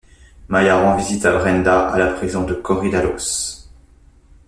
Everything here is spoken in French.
Maya rend visite à Brenda à la prison de Korydallos.